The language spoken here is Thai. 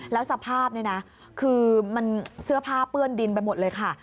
แล้วสภาพนี่นะคือมันเสื้อผ้าเปื้อนดินไปหมดเลยค่ะ